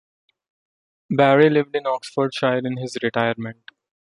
Barry lived in Oxfordshire in his retirement.